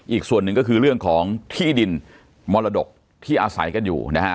อีกส่วนหนึ่งก็คือเรื่องของที่ดินมรดกที่อาศัยกันอยู่นะฮะ